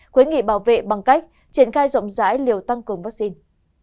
khuyến nghị bảo vệ bằng cách triển khai rộng rãi liều tăng cường vaccine